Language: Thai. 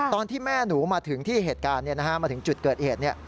ตอนที่แม่หนูมาถึงที่เหตุการณ์มาถึงจุดเกิดเหตุ